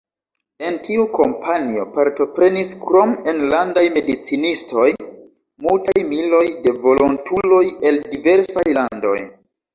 En tiu kampanjo partoprenis, krom enlandaj medicinistoj, multaj miloj da volontuloj el diversaj landoj.